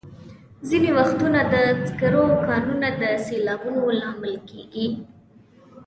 ځینې وختونه د سکرو کانونه د سیلابونو لامل کېږي.